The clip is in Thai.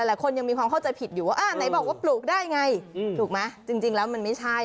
หลายคนยังมีความเข้าใจผิดอยู่ว่าอ่าไหนบอกว่าปลูกได้ไงถูกไหมจริงแล้วมันไม่ใช่